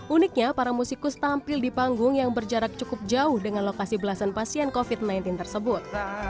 uniknya para musikus tampil di panggung yang berjarak cukup jauh dengan lokasi belasan pasien covid sembilan belas tersebut